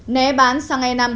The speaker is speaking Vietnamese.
né bán xăng e năm